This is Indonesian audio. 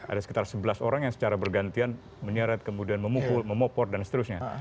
ada sekitar sebelas orang yang secara bergantian menyeret kemudian memukul memopor dan seterusnya